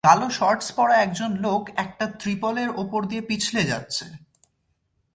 কালো শর্টস পরা একজন লোক একটা ত্রিপলের ওপর দিয়ে পিছলে যাচ্ছে।